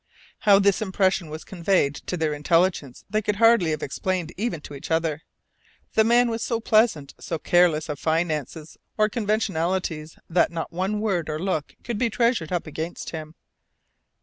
How this impression was conveyed to their intelligence they could hardly have explained even to each other. The man was so pleasant, so careless of finances or conventionalities, that not one word or look could be treasured up against him.